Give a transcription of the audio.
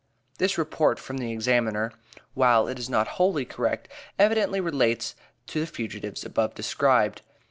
This report from the Examiner, while it is not wholly correct, evidently relates to the fugitives above described.